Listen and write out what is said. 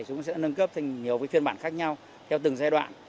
chúng sẽ nâng cấp thành nhiều phiên bản khác nhau theo từng giai đoạn